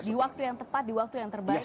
di waktu yang tepat di waktu yang terbaik